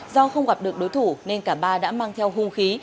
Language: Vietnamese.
do không gặp được đối thủ nên cả ba đã mang theo hung khí